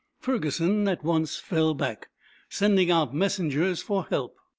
Ferguson at once fell back, sending out messengers for help.